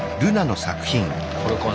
これかな？